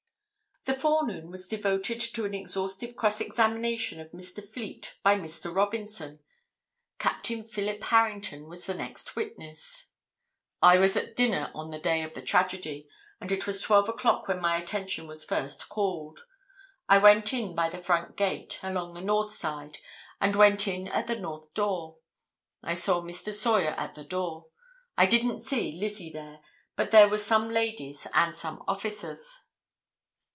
The forenoon was devoted to an exhaustive cross examination of Mr. Fleet by Mr. Robinson. Captain Philip Harrington was the next witness. "I was at dinner on the day of the tragedy, and it was 12 o'clock when my attention was first called; I went in by the front gate, along the north side, and went in at the north door; I saw Mr. Sawyer at the door; I didn't see Lizzie there, but there were some ladies and some officers.